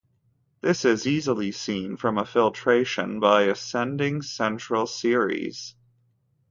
This is easily seen from a filtration by ascending central series.